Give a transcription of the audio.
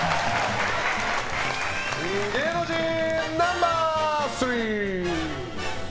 芸能人ナンバー３。